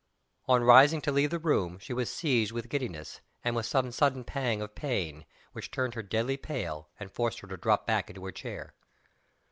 On rising to leave the room she was seized with giddiness, and with some sudden pang of pain, which turned her deadly pale and forced her to drop back into her chair.